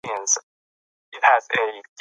زه به دا لنډه لیدنه د خپل ژوند په یادښت کې ولیکم.